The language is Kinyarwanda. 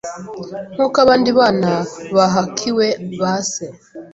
nk’uko abandi bana bahakiwe base.